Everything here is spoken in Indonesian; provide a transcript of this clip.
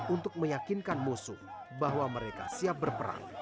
untuk meyakinkan musuh bahwa mereka siap berperang di dalam keju